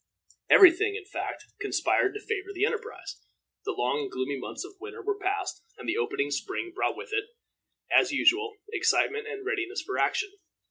Every thing, in fact, conspired to favor the enterprise. The long and gloomy months of winter were past, and the opening spring brought with it, as usual, excitement and readiness for action.